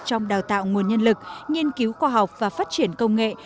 trong đào tạo nguồn nhân lực nghiên cứu khoa học và phát triển công nghệ